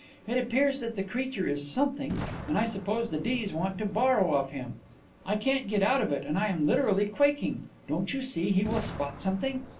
It appears that the creature is Something and I suppose the D.'s want to borrow off him. I can't get out of it and I am literally quaking. Don't you see, he will spot something?